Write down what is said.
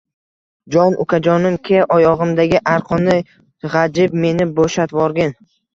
Jooon, ukajonim, ke, oyog‘imdagi arqonni g‘ajib, meni bo‘shatvorgin